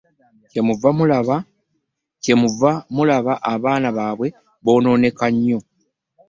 Kye muva mulaba abaana baabwe boonooneka nnyo.